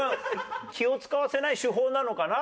気を使わせない手法なのかな？